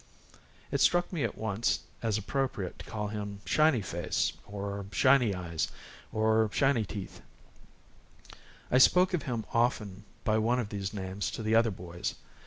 It struck me at once as appropriate to call him "Shiny Face," or "Shiny Eyes," or "Shiny Teeth," and I spoke of him often by one of these names to the other boys.